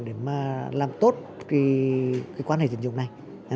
để làm tốt quan hệ tín dụng này